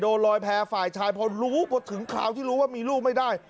ลอยแพ้ฝ่ายชายพอรู้พอถึงคราวที่รู้ว่ามีลูกไม่ได้